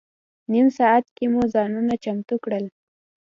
نیم ساعت کې مو ځانونه چمتو کړل.